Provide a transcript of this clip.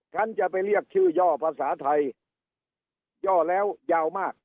ฉันจะไปเรียกชื่อย่อภาษาไทยย่อแล้วยาวมาก